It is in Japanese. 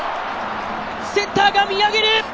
センターが見上げる。